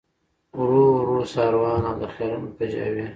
ورو ورو ساروانه او د خیالونو کجاوې